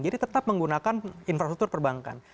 jadi tetap menggunakan infrastruktur perbankan